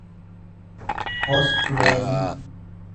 pooschuleetii